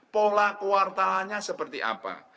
pola kuartalannya seperti apa